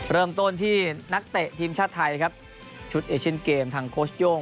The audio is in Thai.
เริ่มต้นที่นักเตะทีมชาติไทยครับชุดเอเชียนเกมทางโค้ชโย่ง